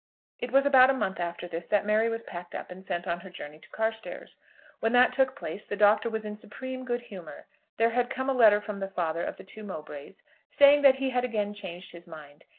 It was about a month after this that Mary was packed up and sent on her journey to Carstairs. When that took place, the Doctor was in supreme good humour. There had come a letter from the father of the two Mowbrays, saying that he had again changed his mind.